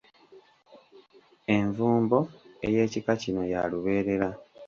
Envumbo ey'ekika kino ya lubeerera.